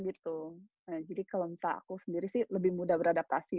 gitu jadi kalau misalnya aku sendiri sih lebih mudah beradaptasi